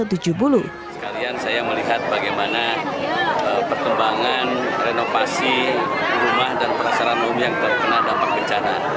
saya melihat bagaimana perkembangan renovasi rumah dan perasaran bumi yang terkena dampak bencana